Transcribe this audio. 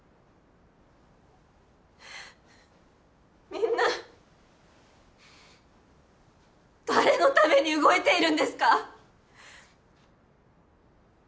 みんな誰のために動いているんですか？